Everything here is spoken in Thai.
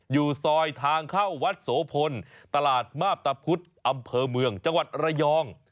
อยู่ซอยทางเข้าวัดโสพลตลาดมาบตะพุธอำเภอเมืองจังหวัดระยอง